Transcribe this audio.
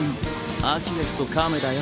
アキレスと亀だよ。